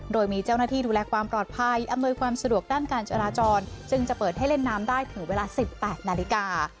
โดยมีเจ้าหน้าที่ดูแลความปลอดภัยอำนวยความสะดวกด้านการจราจรจึงจะเปิดให้เล่นน้ำได้ถึงเวลา๑๘นาฬิกา